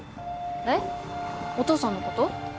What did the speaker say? えっお父さんのこと？